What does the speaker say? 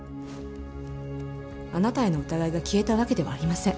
あなたへの疑いが消えたわけではありません。